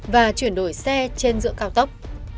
và chuyển đổi xe trên giữa cao tốc